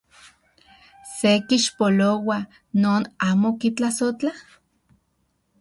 ¿Se kixpoloa non amo kitlasojtla?